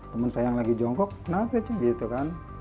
temen saya yang lagi jongkok kenapa sih gitu kan